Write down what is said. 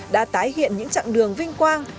đã tái hiện những chặng đường vinh quang